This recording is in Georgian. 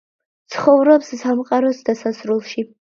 ცხოვრობს სამყაროს დასასრულში.